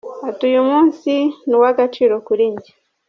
Ati Uyu munsi ni uw’agaciro kuri njye.